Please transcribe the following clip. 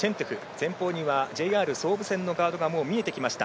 前方にはＪＲ総武線のガードが見えてきました。